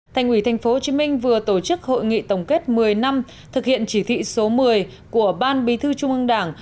thành ủy tp hcm vừa tổ chức hội nghị tổng kết một mươi năm thực hiện chỉ thị số một mươi của ban bí thư trung ương đảng